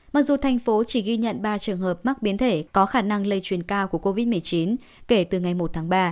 mặc dù thành phố chỉ ghi nhận ba trường hợp mắc biến thể có khả năng lây truyền cao của covid một mươi chín kể từ ngày một tháng ba